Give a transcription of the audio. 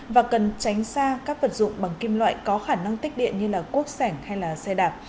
và cần tránh xa các vật dụng bằng kim loại có khả năng tích điện như cuốc sẻng hay là xe đạp